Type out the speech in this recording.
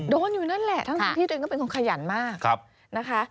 อยู่นั่นแหละทั้งที่ตัวเองก็เป็นคนขยันมากนะคะ